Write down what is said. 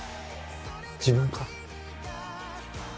自分か？